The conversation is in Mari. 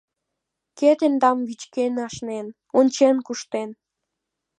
Кӧ тендам вӱчкен ашнен, ончен куштен?